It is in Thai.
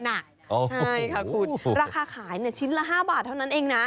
ใช่ค่ะคุณราคาขายชิ้นละ๕บาทเท่านั้นเองนะ